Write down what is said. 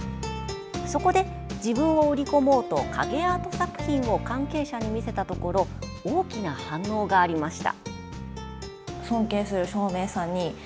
そこで自分を売り込もうと影アート作品を関係者に見せたところ大きな反応がありました。